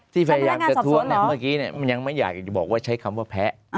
พยายามจะท้วงเมื่อกี้มันยังไม่อยากจะบอกว่าใช้คำว่าแพ้